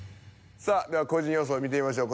では個人予想見てみましょう。